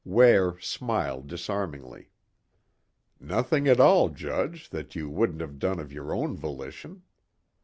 Ware smiled disarmingly. "Nothing at all, Judge, that you wouldn't have done of your own volition.